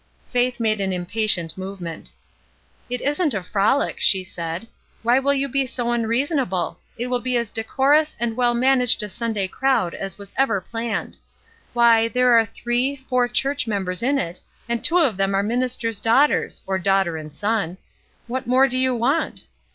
Faith made an impatient movement. "It isn't a frolic," she said. ''Why will you be so imreasonable ? It will be as decorous and well managed a Sunday crowd as was ever planned. Why, there are three, four church members in it, and two of them are ministers' daughters; or daughter and son. What more do you want?"